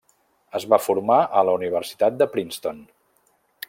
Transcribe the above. Es va formar a la Universitat de Princeton.